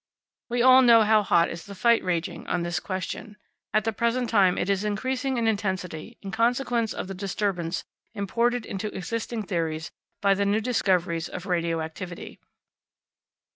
We all know how hot is the fight raging on this question. At the present time it is increasing in intensity, in consequence of the disturbance imported into existing theories by the new discoveries of radio activity.